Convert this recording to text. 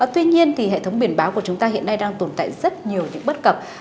tuy nhiên thì hệ thống biển báo của chúng ta hiện nay đang tồn tại rất nhiều những bất cập